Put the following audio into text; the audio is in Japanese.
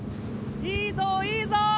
いいぞいいぞ。